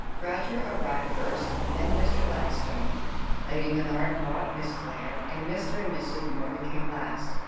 Roger arrived first, then Mr. Blackstone; Lady Bernard brought Miss Clare; and Mr. and Mrs. Morley came last.